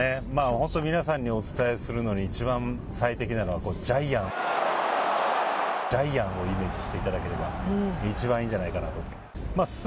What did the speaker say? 本当、皆さんにお伝えするのに一番最適なのはジャイアン、ジャイアンをイメージしていただければ一番いいんじゃないかなと思います。